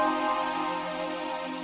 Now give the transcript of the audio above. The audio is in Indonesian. kau mau ngapain